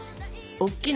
おっきな